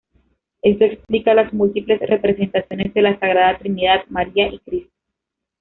Esto explica las múltiples representaciones de la sagrada trinidad, María y Cristo.